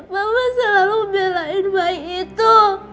mama selalu belain baik itu